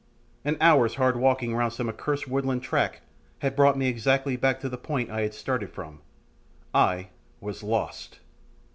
An hour's hard walking round some accursed woodland track had brought me exactly back to the point I had started from I was lost!